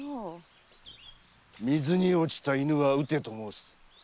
「水に落ちた犬は打て」と申す。